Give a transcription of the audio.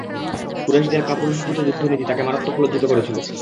কুরাইশদের কাপুরুষোচিত যুদ্ধ-নীতি তাকে মারাত্মক লজ্জিত করেছিল।